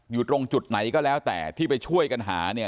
อยู่ตรงจุดไหนก็แล้วแต่ที่ไปช่วยกันหาเนี่ย